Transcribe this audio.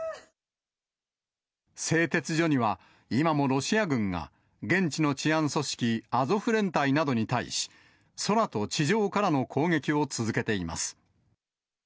製鉄所には、今もロシア軍が現地の治安組織、アゾフ連隊などに対し、空と地上からの攻撃を続けています。